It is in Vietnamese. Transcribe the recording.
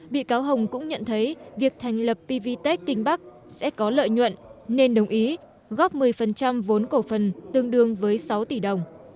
bị cáo hồng cũng nhận thấy việc thành lập pvtec kinh bắc sẽ có lợi nhuận nên đồng ý góp một mươi vốn cổ phần tương đương với sáu tỷ đồng